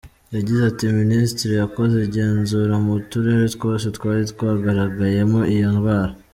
Yagize ati “Minisiteri yakoze igenzura mu turere twose twari twagaragayemo iyo ndwara.